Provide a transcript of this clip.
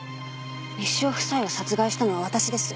「西尾夫妻を殺害したのは私です」